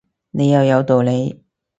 你又有道理